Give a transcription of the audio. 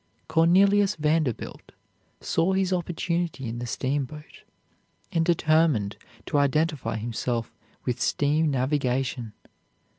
Cornelius Vanderbilt saw his opportunity in the steamboat, and determined to identify himself with steam navigation.